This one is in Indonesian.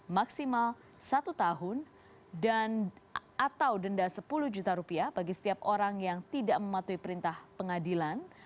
maksimal satu tahun atau denda sepuluh juta rupiah bagi setiap orang yang tidak mematuhi perintah pengadilan